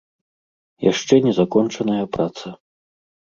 Яшчэ не закончаная праца.